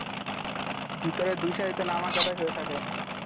ভিতরে দুই সারিতে নামাজ আদায় হয়ে থাকে।